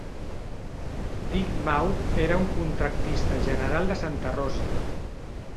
Dick Maugg era un contractista general de Santa Rosa.